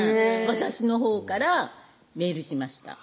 私のほうからメールしました